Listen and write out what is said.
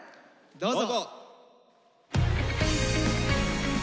どうぞ。